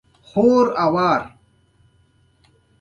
اکاډمي دي نړیوال اثار جوړ کړي.